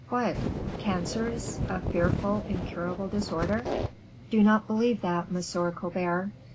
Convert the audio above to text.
"What, cancers a fearful, incurable disorder?" "Do not believe that, Monsieur Colbert.